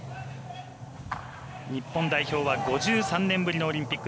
日本代表は５３年ぶりのオリンピック。